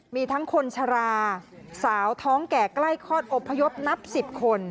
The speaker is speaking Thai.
มีทั้งคนชราสาวท้องแก่ใกล้คลอดอบพยพนับ๑๐คน